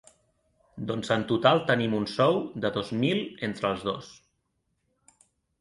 Doncs en total tenim un sou de dos mil entre els dos.